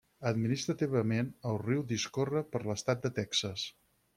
Administrativament, el riu discorre per l'estat de Texas.